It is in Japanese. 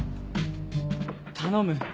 頼む。